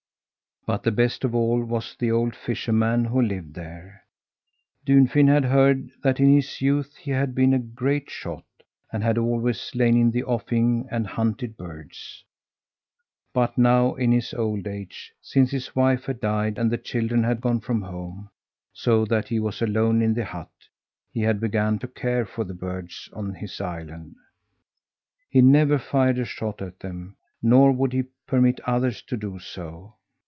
But the best of all was the old fisherman who lived there. Dunfin had heard that in his youth he had been a great shot and had always lain in the offing and hunted birds. But now, in his old age since his wife had died and the children had gone from home, so that he was alone in the hut he had begun to care for the birds on his island. He never fired a shot at them, nor would he permit others to do so.